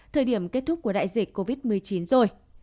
thời điểm kết thúc của đại dịch covid một mươi chín rồi